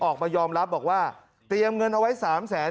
ออกมายอมรับบอกว่าเตรียมเงินเอาไว้๓แสน